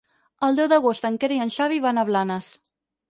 El deu d'agost en Quer i en Xavi van a Blanes.